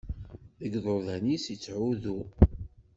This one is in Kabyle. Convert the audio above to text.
Deg iḍudan-is i yettɛuddu.